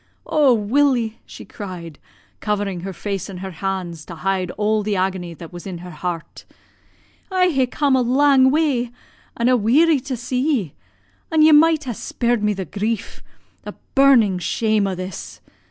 Oh, Willie!' she cried, covering her face in her hands to hide all the agony that was in her heart. 'I ha' come a lang way, an' a weary to see ye, an' ye might ha' spared me the grief the burning shame o' this.